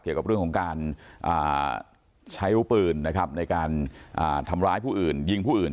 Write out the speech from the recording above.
เกี่ยวกับเรื่องของการใช้อาวุธปืนนะครับในการทำร้ายผู้อื่นยิงผู้อื่น